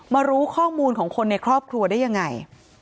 รู้ข้อมูลของคนในครอบครัวได้ยังไง